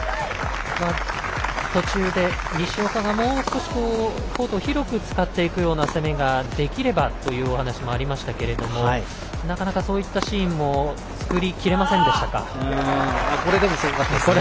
途中で西岡がもう少しコートを広く使っていくような攻めができればというお話もありましたがなかなか、そういったシーンも作りきれませんでしたか。